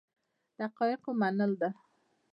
د حقایقو منل ده.